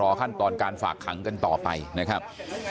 ขั้นตอนการฝากขังกันต่อไปนะครับ